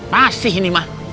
masih ini mah